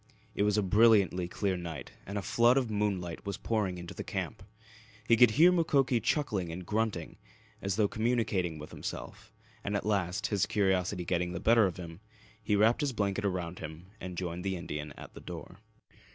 It was a brilliantly clear night and a flood of moonlight was pouring into the camp. He could hear Mukoki chuckling and grunting, as though communicating with himself, and at last, his curiosity getting the better of him, he wrapped his blanket about him and joined the Indian at the door.